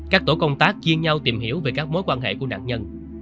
các tổ công tác chia nhau tìm hiểu về các mối quan hệ của nạn nhân